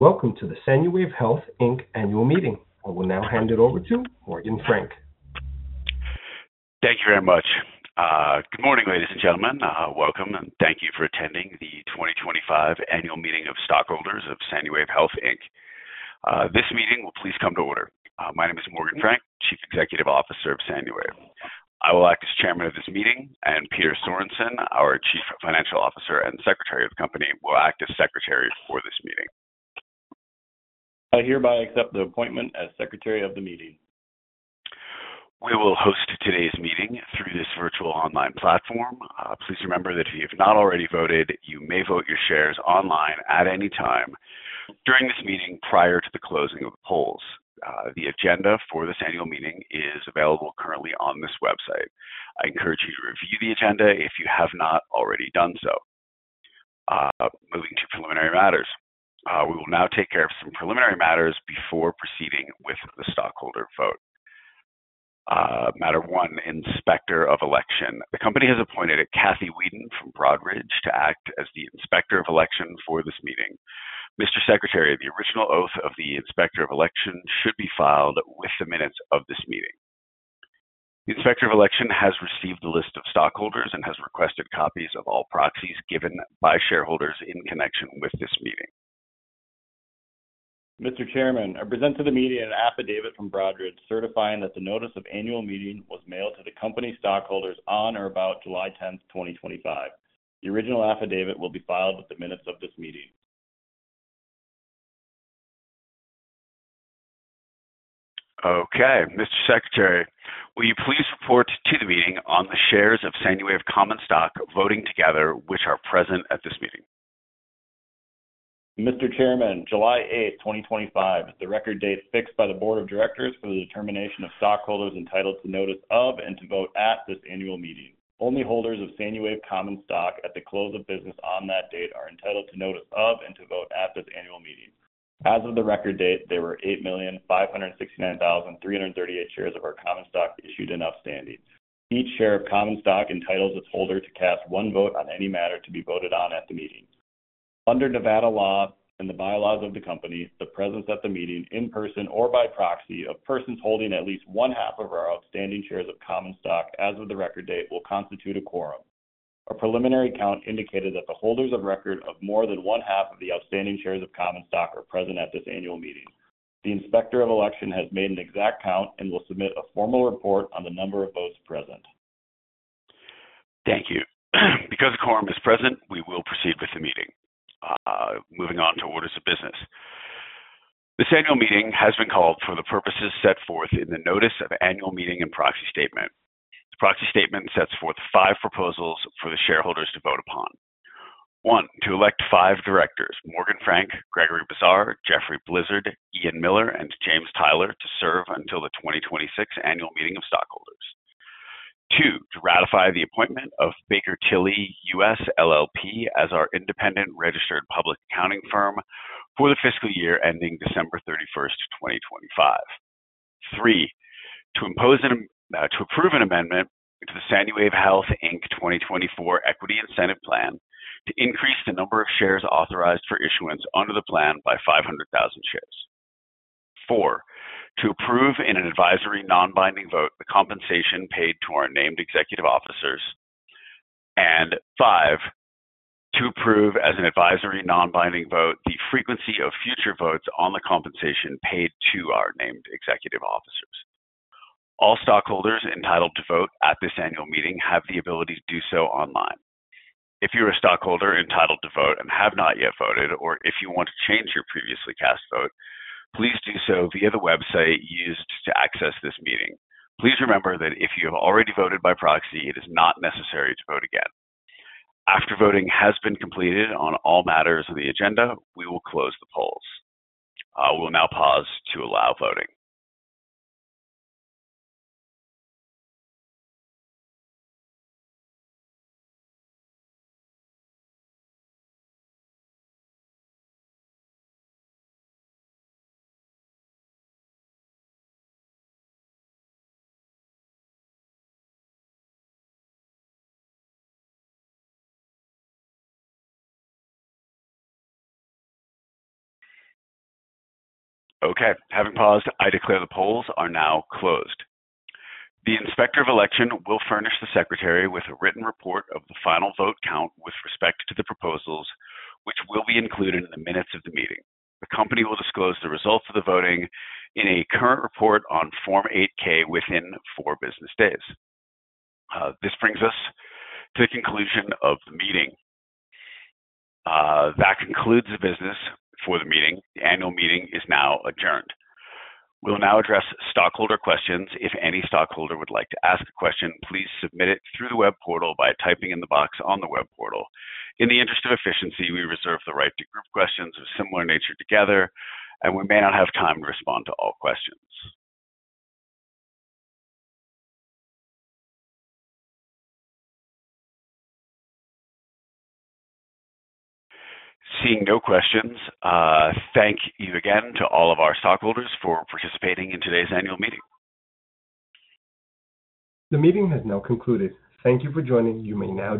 Welcome to the SANUWAVE Health, Inc., annual meeting. I will now hand it over to Morgan Frank. Thank you very much. Good morning, ladies and gentlemen. Welcome, and thank you for attending the 2025 annual meeting of stockholders of SANUWAVE Health, Inc. This meeting will please come to order. My name is Morgan Frank, Chief Executive Officer of SANUWAVE. I will act as Chair of this meeting, and Peter Sorensen, our Chief Financial Officer and Secretary of the Company, will act as Secretary for this meeting. I hereby accept the appointment as Secretary of the ,eeting. We will host today's meeting through this virtual online platform. Please remember that if you have not already voted, you may vote your shares online at any time during this meeting prior to the closing of the polls. The agenda for this annual meeting is available currently on this website. I encourage you to review the agenda if you have not already done so. Moving to preliminary matters, we will now take care of some preliminary matters before proceeding with the stockholder vote. Matter one, Inspector of Election. The company has appointed Kathy Weeden from Broadridge to act as the Inspector of Election for this meeting. Mr. Secretary, the original oath of the Inspector of Election should be filed with the minutes of this meeting. The Inspector of Election has received the list of stockholders and has requested copies of all proxies given by shareholders in connection with this meeting. Mr. Chairman, I present to the meeting an affidavit from Broadridge certifying that the notice of annual meeting was mailed to the company stockholders on or about July 10th, 2025. The original affidavit will be filed with the minutes of this meeting. Okay, Mr. Secretary, will you please report to the meeting on the shares of SANUWAVE Common Stock voting together, which are present at this meeting? Mr. Chairman, July 8th, 2025, the record date fixed by the Board of Directors for the determination of stockholders entitled to notice of and to vote at this annual meeting. Only holders of SANUWAVE Common Stock at the close of business on that date are entitled to notice of and to vote at this annual meeting. As of the record date, there were 8.569,338 million shares of our Common Stock issued and outstanding. Each share of Common Stock entitles its holder to cast one vote on any matter to be voted on at the meeting. Under Nevada law and the bylaws of the company, the presence at the meeting, in person or by proxy, of persons holding at least one half of our outstanding shares of Common Stock as of the record date will constitute a quorum. Our preliminary count indicated that the holders of record of more than 1/2 of the outstanding shares of Common Stock are present at this annual meeting. The Inspector of Election has made an exact count and will submit a formal report on the number of votes present. Thank you. Because a quorum is present, we will proceed with the meeting. Moving on to orders of business. This annual meeting has been called for the purposes set forth in the notice of annual meeting and proxy statement. Proxy statement sets forth five proposals for the shareholders to vote upon. One, to elect five directors: Morgan Frank, Gregory Bizarre, Jeffrey Blizzard, Ian Miller, and James Tyler to serve until the 2026 annual meeting of stockholders. Two, to ratify the appointment of Baker Tilly US LLP as our independent registered public accounting firm for the fiscal year ending December 31st, 2025. Three, to approve an amendment to the SANUWAVE Health, Inc. 2024 Equity Incentive Plan to increase the number of shares authorized for issuance under the plan by 500,000 shares. Four, to approve in an advisory non-binding vote the compensation paid to our named executive officers. Five, to approve as an advisory non-binding vote the frequency of future votes on the compensation paid to our named executive officers. All stockholders entitled to vote at this annual meeting have the ability to do so online. If you're a stockholder entitled to vote and have not yet voted, or if you want to change your previously cast vote, please do so via the website used to access this meeting. Please remember that if you have already voted by proxy, it is not necessary to vote again. After voting has been completed on all matters of the agenda, we will close the polls. We'll now pause to allow voting. Okay, having paused, I declare the polls are now closed. The Inspector of Election will furnish the secretary with a written report of the final vote count with respect to the proposals, which will be included in the minutes of the meeting. The company will disclose the results of the voting in a current report on Form 8-K within four business days. This brings us to the conclusion of the meeting. That concludes the business for the meeting. The annual meeting is now adjourned. We'll now address stockholder questions. If any stockholder would like to ask a question, please submit it through the web portal by typing in the box on the web portal. In the interest of efficiency, we reserve the right to group questions of similar nature together, and we may not have time to respond to all questions. Seeing no questions, I thank you again to all of our stockholders for participating in today's annual meeting. The meeting has now concluded. Thank you for joining. You may now.